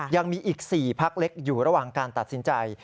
ยังมีอีก๔พักเล็กอยู่ระหว่างการตัดสินใจ